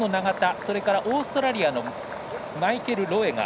それからオーストラリアのマイケル・ロエガー。